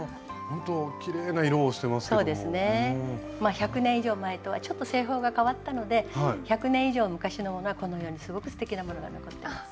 １００年以上前とはちょっと製法が変わったので１００年以上昔のものはこのようにすごくすてきなものが残ってます。